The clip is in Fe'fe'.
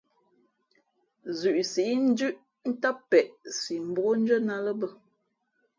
Zʉʼ síʼ ndʉ́ʼ ntám peʼe si mbókndʉ́ά nά ā lά bᾱ.